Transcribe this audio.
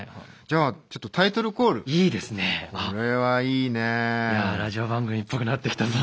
いやラジオ番組っぽくなってきたぞ。